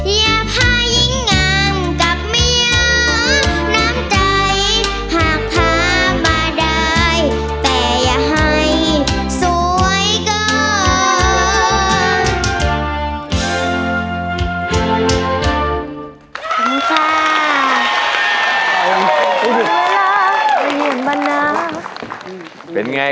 อย่าพายิ่งงามกับไม่ยากน้ำใจ